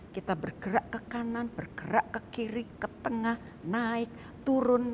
kita bergerak ke kanan bergerak ke kiri ke tengah naik turun